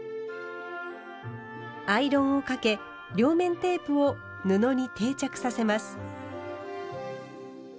アイロンをかけ両面テープを布に定着させます。